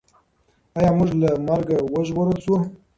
ایا موږ له مرګه وژغورل شوو؟